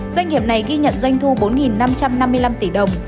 doanh nghiệp này ghi nhận doanh thu bốn năm trăm năm mươi năm tỷ đồng